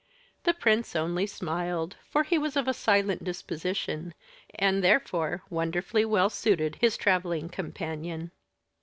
The prince only smiled, for he was of a silent disposition, and therefore wonderfully well suited his traveling companion.